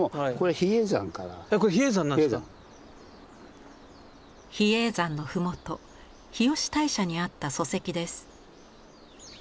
比叡山のふもと日吉大社にあった礎石です。